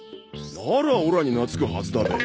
ならオラに懐くはずだべ。